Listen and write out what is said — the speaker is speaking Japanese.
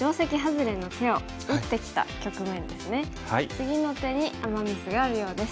次の手にアマ・ミスがあるようです。